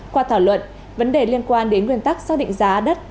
qua thảo luận vấn đề liên quan đến nguyên tắc xác định giá đất